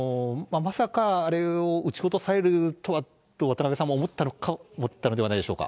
まさか、あれを撃ち落とされるとはと、渡辺さんも思ったのではないでしょうか。